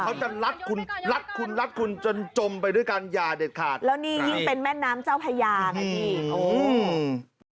เขาจะลัดคุณลัดคุณจนจมไปด้วยกันอย่าเด็ดขาดแล้วนี่ยิ่งเป็นแม่น้ำเจ้าพญากันดิ